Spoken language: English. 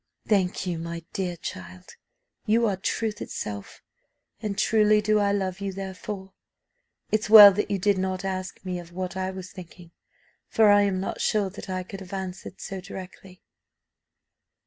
"Thank you, my dear child, you are truth itself, and truly do I love you therefore. It's well that you did not ask me of what I was thinking, for I am not sure that I could have answered so directly."